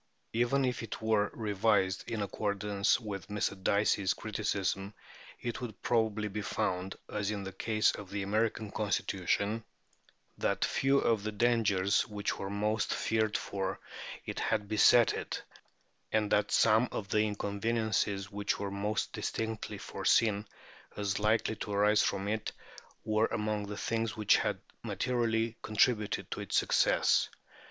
Even if it were revised in accordance with Mr. Dicey's criticism, it would probably be found, as in the case of the American Constitution, that few of the dangers which were most feared for it had beset it, and that some of the inconveniences which were most distinctly foreseen as likely to arise from it were among the things which had materially contributed to its success.